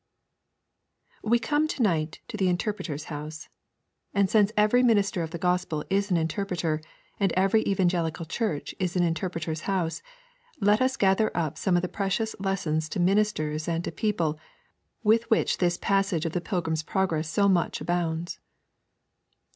We come to night to the Interpreter's House. And since every minister of the gospel is an interpreter, and every evangelical church is an interpreter's house, let us gather up some of the precious lessons to ministers and to people with which this passage of the Pilgrim's Progress so much abounds.